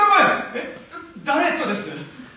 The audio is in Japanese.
「えっ誰とです？」